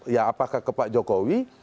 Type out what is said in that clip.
ya apakah ke pak jokowi